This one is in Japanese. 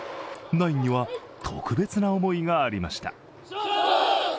ナインには、特別な思いがありました。